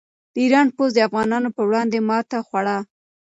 د ایران پوځ د افغانانو په وړاندې ماته وخوړه.